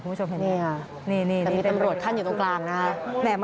คุณผู้ชมเห็นไหม